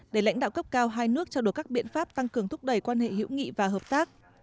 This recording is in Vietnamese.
để lãnh đạo cấp cao hai nước trao đổi các biện pháp tăng cường thúc đẩy quan hệ hữu nghị và hợp tác